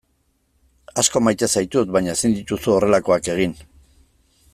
Asko maite zaitut baina ezin dituzu horrelakoak egin.